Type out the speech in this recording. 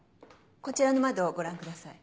こちらの窓をご覧ください。